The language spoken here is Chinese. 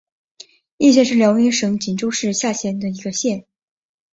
义县是辽宁省锦州市下辖的一个县。